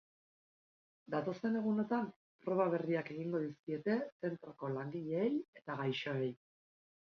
Datozen egunotan, proba berriak egingo dizkiete zentroko langileei eta gaixoei.